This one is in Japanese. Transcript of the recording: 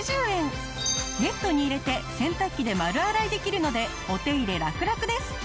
ネットに入れて洗濯機で丸洗いできるのでお手入れラクラクです。